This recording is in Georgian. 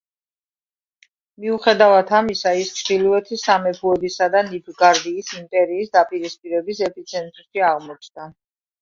მიუხედავად ამისა ის ჩრდილოეთის სამეფოებისა და ნილფგაარდის იმპერიის დაპირისპირების ეპიცენტრში აღმოჩნდება.